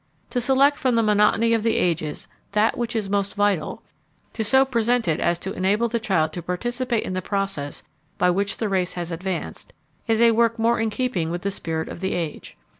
To select from the monotony of the ages that which is most vital, to so present it as to enable the child to participate in the process by which the race has advanced, is a work more in keeping with the spirit of the age.